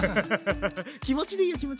気持ちでいいよ気持ち。